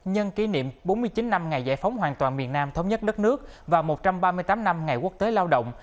nhân kỷ niệm bốn mươi chín năm ngày giải phóng hoàn toàn miền nam thống nhất đất nước và một trăm ba mươi tám năm ngày quốc tế lao động